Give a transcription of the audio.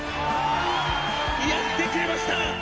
「やってくれました！！